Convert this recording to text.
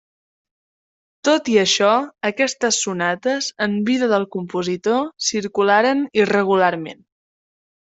Tot i això, aquestes sonates, en vida del compositor, circularen irregularment.